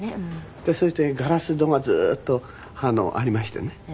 そしてガラス戸がずーっとありましてね。